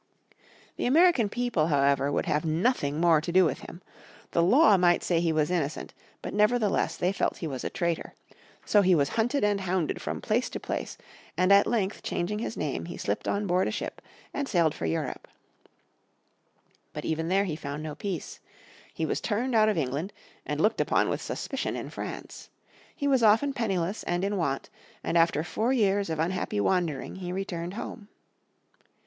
The American people, however, would have nothing more to do with him. The law might say he was innocent, but nevertheless they felt he was a traitor. So he was hunted and hounded from place to place, and at length changing his name he slipped on board a ship and sailed for Europe. But even there he found no peace. He was turned out of England, and looked upon with suspicion in France. He was often penniless and in want, and after four years of unhappy wandering he returned home.